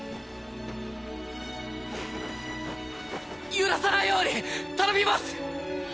揺らさないように頼みます！